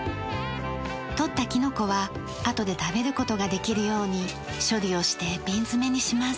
採ったきのこはあとで食べる事ができるように処理をして瓶詰めにします。